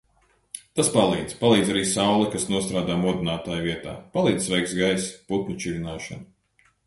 Tas palīdz. Palīdz arī saule, kas nostrādā modinātāja vietā. Palīdz svaigs gaiss, putnu čivināšana.